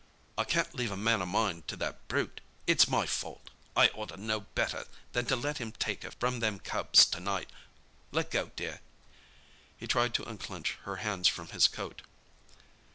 "I can't leave a man o' mine to that brute. It's my fault—I orter known better than to let him take her from them cubs to night. Let go, dear." He tried to unclinch her hands from his coat.